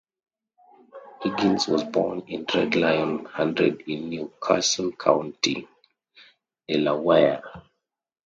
Higgins was born in Red Lion Hundred in New Castle County, Delaware.